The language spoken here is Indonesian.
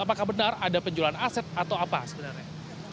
apakah benar ada penjualan aset atau apa sebenarnya